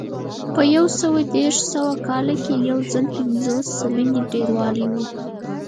په یو سوه دېرش سوه کال کې یو ځل بیا پنځوس سلنې ډېروالی و